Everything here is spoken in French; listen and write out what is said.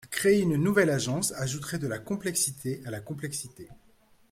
Créer une nouvelle agence ajouterait de la complexité à la complexité.